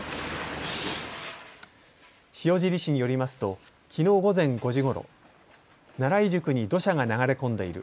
塩尻市によりますときのう午前５時ごろ、奈良井宿に土砂が流れ込んでいる。